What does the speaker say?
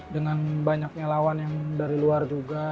dengan banyaknya lawan yang dari luar juga